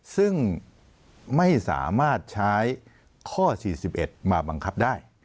ซึ่งไม่สามารถใช้ข้อ๔๑มาบังคับได้